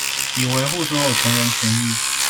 以維護所有權人權益